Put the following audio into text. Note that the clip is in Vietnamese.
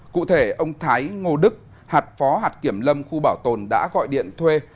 cụ thể ông thái ngô đức hạt phó hạt kiểm lâm khu bảo tồn đã gọi điện thuê